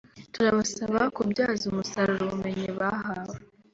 turabasaba kubyaza umusaruro ubumenyi bahawe